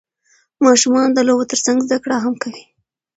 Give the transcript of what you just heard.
ماشومان د لوبو ترڅنګ زده کړه هم کوي